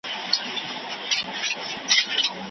نه اوږده د هجر شپه وي نه بې وسه ډېوه مړه وي